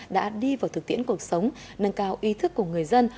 đã đi vào thực tiễn cuộc sống nâng cao ý thức của người dân